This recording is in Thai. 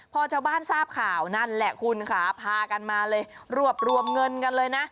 พอชาวบ้านทราบข่าวนั่นแหละคุณค่ะพากันมาเลยรวบรวมเงินกันเลยนะ